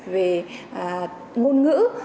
về ngôn ngữ